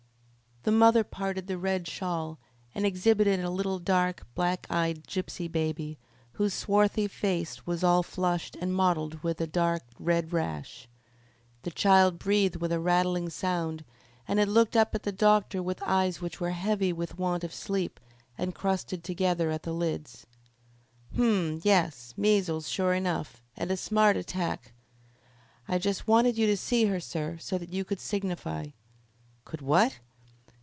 The mother parted the red shawl, and exhibited a little dark, black eyed gypsy baby, whose swarthy face was all flushed and mottled with a dark red rash. The child breathed with a rattling sound, and it looked up at the doctor with eyes which were heavy with want of sleep and crusted together at the lids. "Hum! Yes. Measles, sure enough and a smart attack." "I just wanted you to see her, sir, so that you could signify." "Could what?"